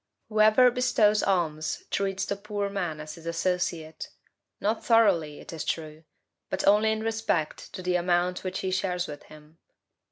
Whoever bestows alms treats the poor man as his associate; not thoroughly, it is true, but only in respect to the amount which he shares with him.